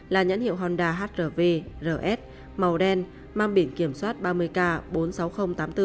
là nhãn hiệu honda hrv rs màu đen mang biển kiểm soát ba mươi k bốn mươi sáu nghìn tám mươi bốn